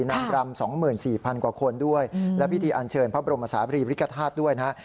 นำพรรม๒๔๐๐๐กว่าคนด้วยและพิธีอัญเชิญพระบรมศาสตรีบริกษาธาตรด้วยนะครับ